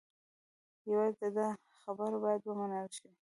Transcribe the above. یوازې د ده خبره باید و منل شي.